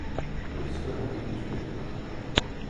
Пеш сöрале, пеш мотор: